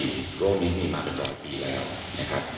อีกโรคนี้มีมาเป็น๑๐๐ปีแล้วนะครับ